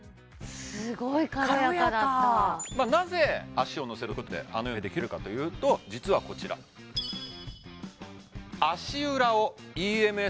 すごい軽やかだったなぜ足を乗せることであのようにできるかというと実はこちらまあ